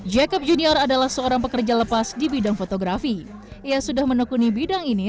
hai jacob junior adalah seorang pekerja lepas di bidang fotografi ia sudah menekuni bidang ini